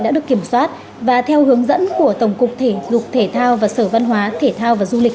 đã được kiểm soát và theo hướng dẫn của tổng cục thể dục thể thao và sở văn hóa thể thao và du lịch